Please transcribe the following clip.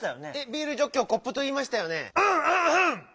「ビールジョッキ」を「コップ」といいましたよね。